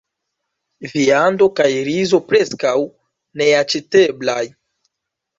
Viando kaj rizo preskaŭ neaĉeteblaj.